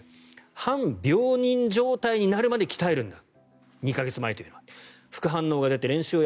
半病人状態になるまで鍛えるんだと。